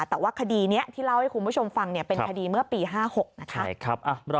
แต่ว่าคดีนี้ที่เล่าให้คุณผู้ชมฟังเป็นคดีเมื่อปี๕๖นะคะ